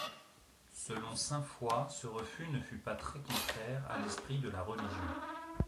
Selon Saint-Foix ce refus ne fut pas très contraire à l'esprit de la Religion.